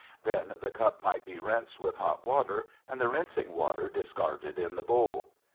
Then the cup might be rinsed with hot water and the rinsing water discarded in the bowl.